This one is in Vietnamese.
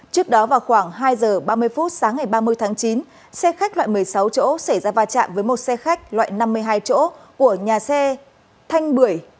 trước đó vào khoảng hai giờ ba mươi phút sáng ngày ba mươi tháng chín xe khách loại một mươi sáu chỗ xảy ra va chạm với một xe khách loại năm mươi hai chỗ của nhà xe thanh bưởi